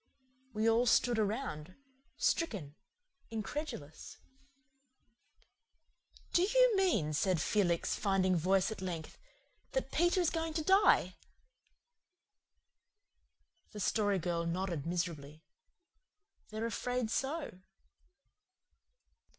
We all stood around, stricken, incredulous. "Do you mean," said Felix, finding voice at length, "that Peter is going to die?" The Story Girl nodded miserably. "They're afraid so."